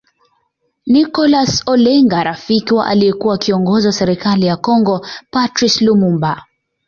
Nicholas Olenga rafiki wa aliekua kiongozo wa serikali ya Kongo Patrice Lumumba